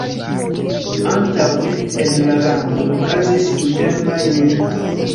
Antaŭe en la lando okazis internaj militoj.